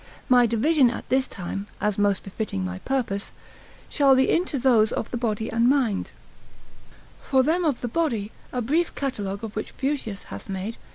My division at this time (as most befitting my purpose) shall be into those of the body and mind. For them of the body, a brief catalogue of which Fuschius hath made, Institut. lib. 3, sect. 1, cap. 11.